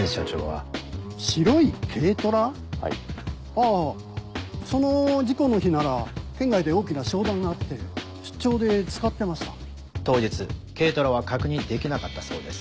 あぁその事故の日なら県外で大きな商談があって出張で使ってました当日軽トラは確認できなかったそうです。